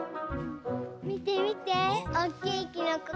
みてみておっきいきのこかわいい！